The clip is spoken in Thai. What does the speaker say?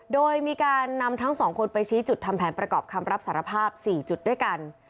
โดยมีการนำทั้งสองคนไปชี้จุดทำแผนประกอบคำรับสารภาพ๔จุดด้วยกัน